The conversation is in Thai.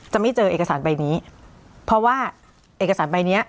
ไม่เจอเอกสารใบนี้เพราะว่าเอกสารใบเนี้ย